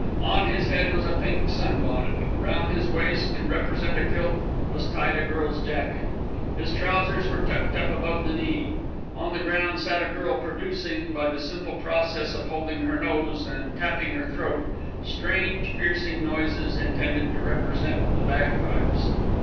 On his head was a pink sunbonnet, round his waist, to represent a kilt, was tied a girl's jacket. His trousers were tucked up above the knee. On the ground sat a girl producing, by the simple process of holding her nose and tapping her throat, strange piercing noises intended to represent the bagpipes.